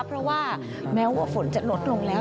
เพราะว่าแม้ว่าฝนจะลดลงแล้ว